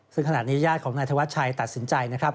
ซึ่งขณะนี้ญาติของนายธวัชชัยตัดสินใจนะครับ